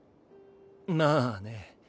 まあね。